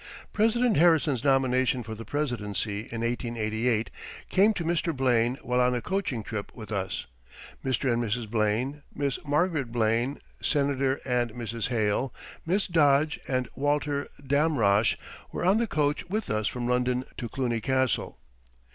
President Harrison's nomination for the presidency in 1888 came to Mr. Blaine while on a coaching trip with us. Mr. and Mrs. Blaine, Miss Margaret Blaine, Senator and Mrs. Hale, Miss Dodge, and Walter Damrosch were on the coach with us from London to Cluny Castle.